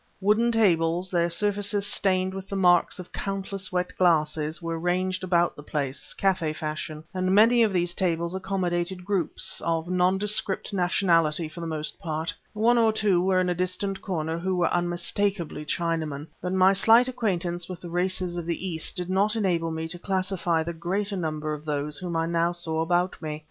Wooden tables, their surfaces stained with the marks of countless wet glasses, were ranged about the place, café fashion; and many of these tables accommodated groups, of nondescript nationality for the most part. One or two there were in a distant corner who were unmistakably Chinamen; but my slight acquaintance with the races of the East did not enable me to classify the greater number of those whom I now saw about me.